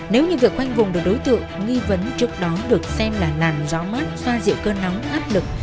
nếu như việc khoanh vùng được đối tượng nghi vấn trước đó được xem là làm gió mát xoa dịu cơn nóng áp lực